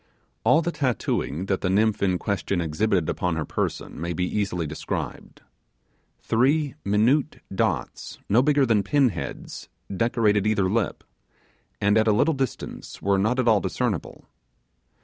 All the tattooing that the nymph in question exhibited upon her person may be easily described. Three minute dots, no bigger than pin heads, decorated each lip, and at a little distance were not at all discernible.